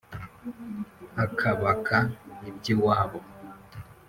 akabaka iby”iwabo